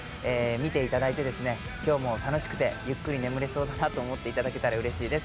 見ていただいて、今日も楽しくてゆっくり眠れそうだなと思っていただけたらうれしいです。